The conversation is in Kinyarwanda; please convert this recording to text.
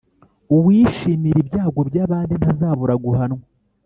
uwishimira ibyago by’abandi ntazabura guhanwa